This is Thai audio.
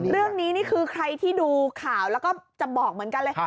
นี่คือใครที่ดูข่าวแล้วก็จะบอกเหมือนกันเลย